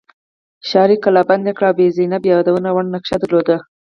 ښار یې کلابند کړ بي بي زینب یادونې وړ نقش درلود.